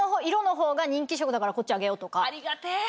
ありがてぇ！